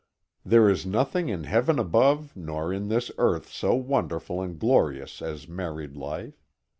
There is nothing in heaven above nor on this earth so wonderful and glorious as married life.